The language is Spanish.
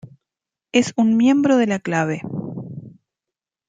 Es un miembro de la Clave.